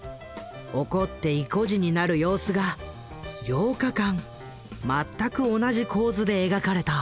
怒っていこじになる様子が８日間全く同じ構図で描かれた。